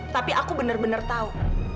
tapi aku bener bener tau